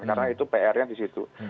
karena itu pr nya di situ